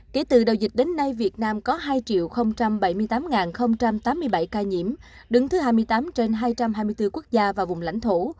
kể từ đầu dịch đến nay việt nam có hai bảy mươi tám tám mươi bảy ca nhiễm đứng thứ hai mươi tám trên hai trăm hai mươi bốn quốc gia và vùng lãnh thổ